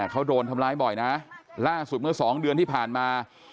เขาโดนทำร้ายบ่อยนะล่าสุดเมื่อสองเดือนที่ผ่านมา